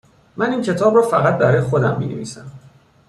من این کتاب را فقط برای خودم می نویسم